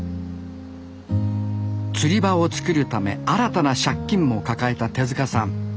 釣り場を作るため新たな借金も抱えた手さん。